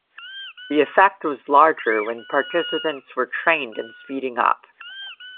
The effect was larger when participants were trained in speeding up.